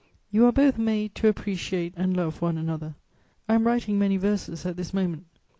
You are both made to appreciate and love one another.... I am writing many verses at this moment.